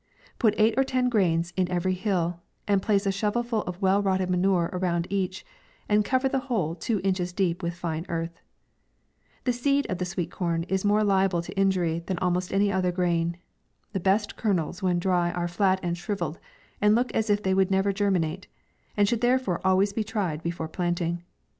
Put eight or ten grains in every hill, and place a shovel full of well rotted manure around each, and cover the whole two inches deep with fine earth. The seed of sweet corn is more liable to injury than almost any other grain. The best kernels when dry are flat and shrivelled, and look as if they would never germinate ; and should therefore always be tried before planting.